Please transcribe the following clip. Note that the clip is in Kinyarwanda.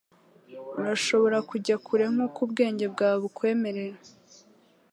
Urashobora kujya kure nkuko ubwenge bwawe bukwemerera.